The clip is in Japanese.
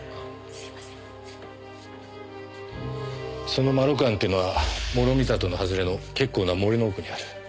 そのまろく庵っていうのは毛呂美里の外れの結構な森の奥にある。